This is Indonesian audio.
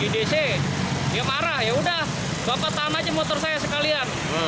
dia marah yaudah bapak tahan aja motor saya sekalian